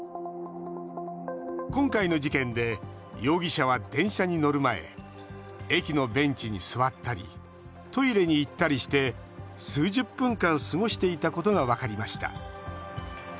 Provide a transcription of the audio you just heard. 今回の事件で容疑者は電車に乗る前駅のベンチに座ったりトイレに行ったりして数十分間、過ごしていたことが分かりました。